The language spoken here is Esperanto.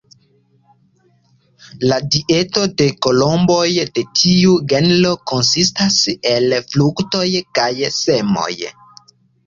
La dieto de kolomboj de tiu genro konsistas el fruktoj kaj semoj.